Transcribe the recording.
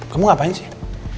kamu ngapain sih